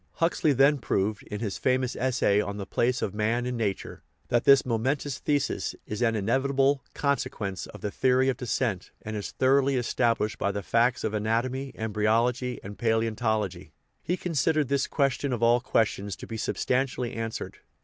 Huxley then proved, in his famous essay on The Place of Man in Nature, that this * Cf . Monism, by Ernst Haeckel. 252 THE EVOLUTION OF THE WORLD momentous thesis is an inevitable consequence of the theory of descent, and is thoroughly established by the facts of anatomy, embryology, and palaeontology. He considered this " question of all questions" to be substantially answered.